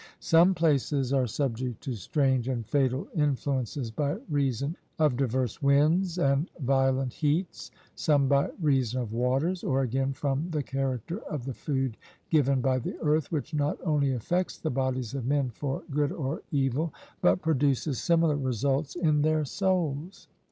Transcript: Some places are subject to strange and fatal influences by reason of diverse winds and violent heats, some by reason of waters; or, again, from the character of the food given by the earth, which not only affects the bodies of men for good or evil, but produces similar results in their souls.